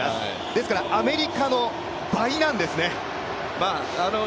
ですからアメリカの倍なんですね。